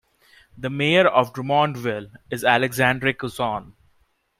The mayor of Drummondville is Alexandre Cusson.